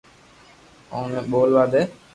اوني ٻولوا دي